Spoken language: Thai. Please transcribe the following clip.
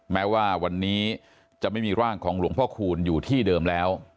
แม้ว่าวันนี้จะไม่มีร่างของหลวงพ่อคูณอยู่ที่เดิมแล้ว